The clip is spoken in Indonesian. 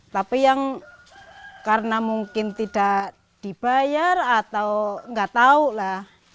tapi yang karena mungkin tidak dibayar atau nggak tahu lah